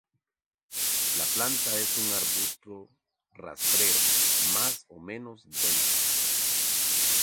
La planta es un arbusto rastrero más o menos denso.